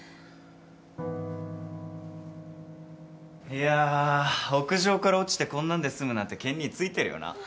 いやぁ屋上から落ちてこんなんで済むなんて健兄ついてるよな。